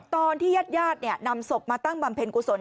ตอนที่ญาตินำศพมาตั้งบัมเพณท์กุฏรสน